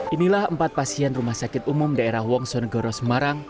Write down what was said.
inilah empat pasien rumah sakit umum daerah wongsonegoro semarang